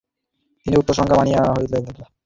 তিনি উক্ত সংজ্ঞা মানিয়া লইতে পারেন নাই।